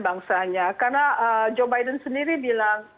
bangsanya karena joe biden sendiri bilang